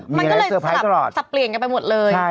มันก็เลยสลับสับเปลี่ยนกันไปหมดเลย